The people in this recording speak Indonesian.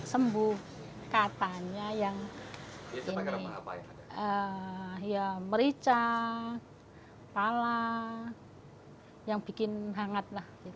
sembuh katanya yang merica pala yang bikin hangat